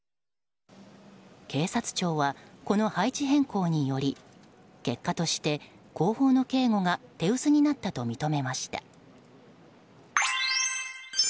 警察庁はこの配置変更により結果として後方の警護が手薄になったと認めました。